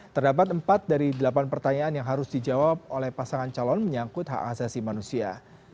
terdapat empat dari delapan pertanyaan yang harus dijawab oleh pasangan calon menyangkut hak asasi manusia